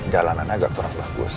jalanannya gak pernah bagus